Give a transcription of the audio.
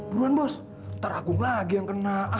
buruan bos ntar agung lagi yang kena